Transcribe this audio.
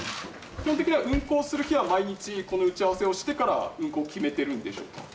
基本的には運行する日は毎日打ち合わせをしてから運航を決めているんでしょうか？